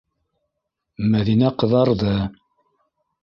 Мәҙинә ҡыҙарҙы.